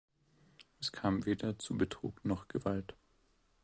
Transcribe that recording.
Es kam weder zu Betrug noch Gewalt.